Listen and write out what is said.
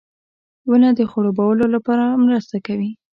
• ونه د خړوبولو لپاره مرسته کوي.